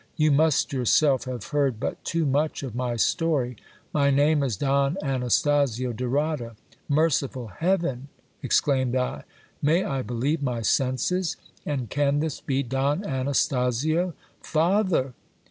You must yourself have heard but too much of my story. My name is Don Anastasio de Rada. Merciful heaven ! ex claimed I, may I believe my senses ? And can this be Don Anastasio ? Father